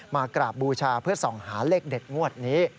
กราบบูชาเพื่อส่องหาเลขเด็ดงวดนี้